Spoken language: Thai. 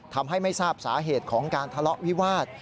ทำให้ไม่ทราบสาเหตุของการทะเลาะวิวาส